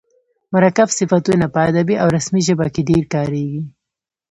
مرکب صفتونه په ادبي او رسمي ژبه کښي ډېر کاریږي.